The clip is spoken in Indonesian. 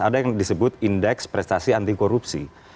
ada yang disebut indeks prestasi anti korupsi